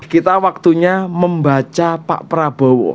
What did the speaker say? kita waktunya membaca pak prabowo